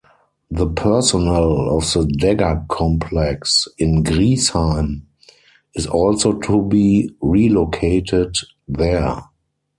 The personnel of the Dagger Complex in Griesheim is also to be relocated there.